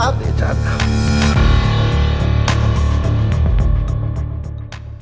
สวัสดีอาจารย์ครับ